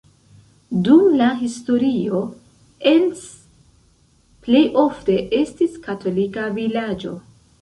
Dum la historio Encs plej ofte estis katolika vilaĝo.